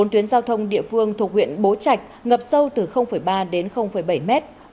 bốn tuyến giao thông địa phương thuộc huyện bố trạch ngập sâu từ ba đến bảy mét